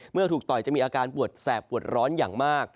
เมื่อถูกต่อยจะมีอาการปวดแสบปวดร้อนอย่างมาก